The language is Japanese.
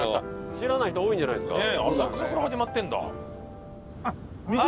知らない人多いんじゃないですか。